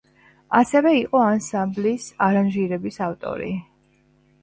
ასევე იყო ანსამბლის არანჟირების ავტორი.